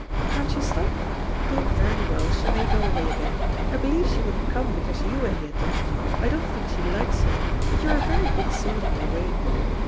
Can't she stop? Oh, very well, she may go away again. I believe she wouldn't come because you were here, Jack. I don't think she likes you, but you're a very good sort in your way.